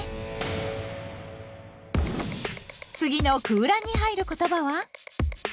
次の空欄に入る言葉は？